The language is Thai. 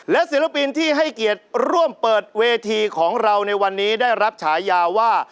ศิลปินที่ให้เกียรติร่วมเปิดเวทีของเราในวันนี้ได้รับฉายาว่า